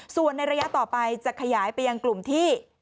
ส่วนในระยะต่อไปจะขยายไปยังกลุ่มที่